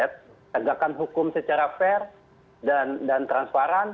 tegakkan hukum secara fair dan transparan